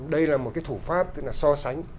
đây là một cái thủ pháp tức là so sánh